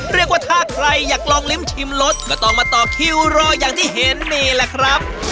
เรียกว่าถ้าใครอยากลองลิ้มชิมรสก็ต้องมาต่อคิวรออย่างที่เห็นนี่แหละครับ